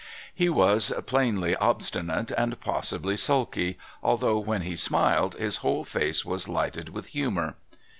He was, plainly, obstinate and possibly sulky, although when he smiled his whole face was lighted with humour.